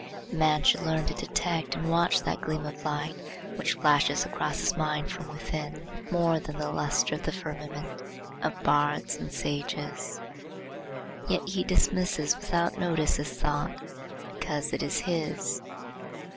A man should learn to detect and watch that gleam of light which flashes across his mind from within, more than the lustre of the firmament of bards and sages. Yet he dismisses without notice his thought, because it is his.